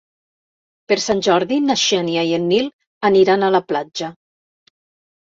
Per Sant Jordi na Xènia i en Nil aniran a la platja.